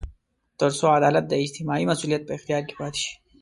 تر څو عدالت د اجتماعي مسوولیت په اختیار کې پاتې شي.